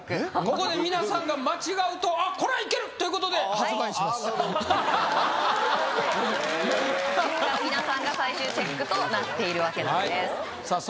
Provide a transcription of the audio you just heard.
ここで皆さんが間違うとあっこれはいける！ということで発売しますははははっですから皆さんが最終チェックとなっているわけなんですさあ